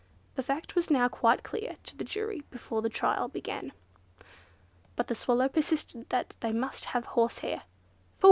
The fact was now quite clear to the jury before the trial began. But the Swallow persisted that they must have horsehair. "What for?"